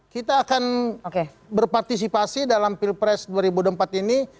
kita akan berpartisipasi dalam pilpres dua ribu empat ini